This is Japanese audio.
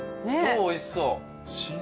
おいしそう。